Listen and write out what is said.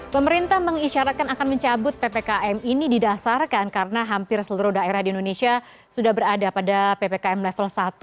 pemerintah mengisyaratkan akan mencabut ppkm ini didasarkan karena hampir seluruh daerah di indonesia sudah berada pada ppkm level satu